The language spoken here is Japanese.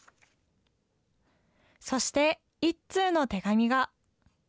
そして一通の手紙が。